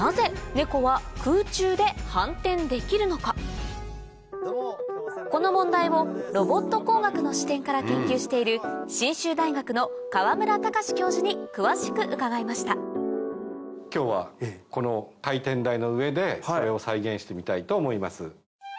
一体この問題をロボット工学の視点から研究しているに詳しく伺いました今日はこの回転台の上でこれを再現してみたいと思います。